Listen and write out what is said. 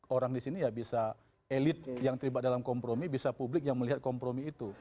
orang di sini ya bisa elit yang terlibat dalam kompromi bisa publik yang melihat kompromi itu